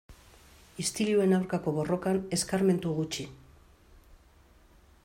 Istiluen aurkako borrokan eskarmentu gutxi.